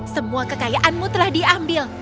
semua kekayaanmu telah diambil